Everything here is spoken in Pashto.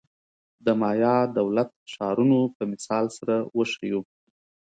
د مایا دولت-ښارونو په مثال سره وښیو.